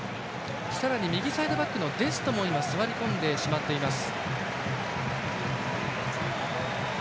さらに右サイドバックのデストも今、座り込んでしまっています。